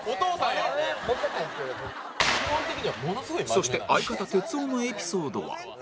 そして相方哲夫のエピソードは